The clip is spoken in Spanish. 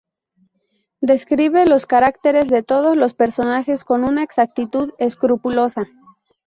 Describe los caracteres de todos los personajes con una exactitud escrupulosa.